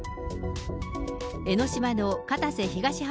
江の島の片瀬東浜